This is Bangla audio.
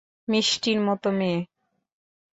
মিষ্টির মতো মেয়ে।